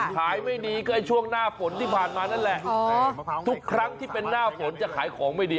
ไม่ดีก็ช่วงหน้าฝนที่ผ่านมานั่นแหละทุกครั้งที่เป็นหน้าฝนจะขายของไม่ดี